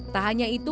tak hanya itu